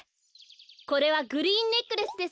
これはグリーンネックレスですよ。